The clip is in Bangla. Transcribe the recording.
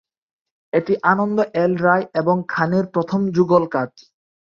এটি আনন্দ এল রায় এবং খানের প্রথম যুগল কাজ।